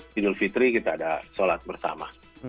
idul fitri kita ada sholat bersama